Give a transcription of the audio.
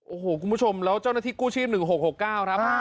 โอ้โหคุณผู้ชมแล้วเจ้าหน้าที่กู้ชีพ๑๖๖๙ครับ